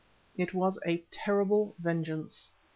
It was a terrible vengeance.